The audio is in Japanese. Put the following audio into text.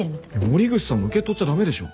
森口さんも受け取っちゃ駄目でしょ。